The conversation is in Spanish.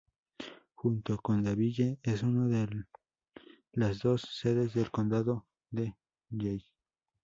Junto con Danville, es una de las dos sedes del Condado de Yell.